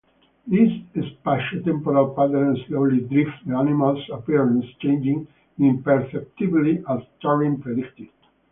These spatiotemporal patterns slowly drift, the animals' appearance changing imperceptibly as Turing predicted.